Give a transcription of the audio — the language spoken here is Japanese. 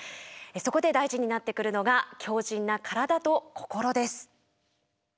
そこで大事になってくるのが強靱な体と心です。